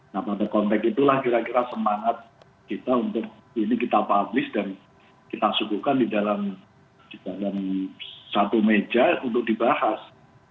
nah pada konteks itulah kira kira semangat kita untuk ini kita publis dan kita suguhkan di dalam satu meja untuk dibahas